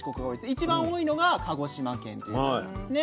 一番多いのが鹿児島県ということなんですね。